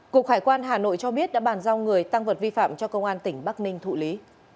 cục hải quan hà nội cho biết đã bàn giao người tăng vật vi phạm cho công an tỉnh bắc ninh thụ lý